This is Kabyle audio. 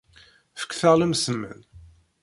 Fekt-aɣ lemsemmen.